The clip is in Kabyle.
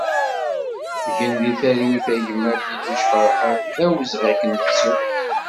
Gen di talwit a gma Diduc Ferḥat, d awezɣi ad k-nettu!